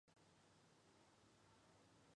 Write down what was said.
并入邓小平故居。